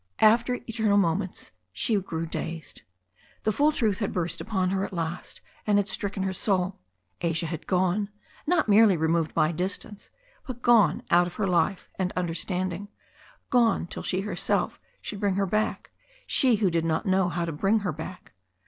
After eternal moments she grew dazed. The full truth had burst upon her at last and had stricken her soul. Asia had gone, not merely removed by distance, but gone out of her life and understanding, gone till she herself should bring her back, she who did not know how to bring her back.